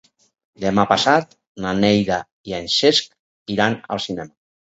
Demà passat na Neida i en Cesc iran al cinema.